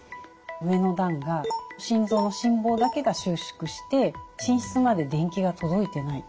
上の段が心臓の心房だけが収縮して心室まで電気が届いてないっていうタイプです。